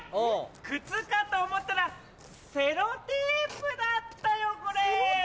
靴かと思ったらセロテープだったよこれ。